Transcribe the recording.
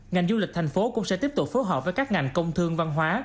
ngành du lịch thành phố cũng sẽ tiếp tục phối hợp với các ngành công thương văn hóa